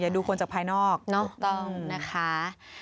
อย่าดูคนจากภายนอกถูกต้องนะคะ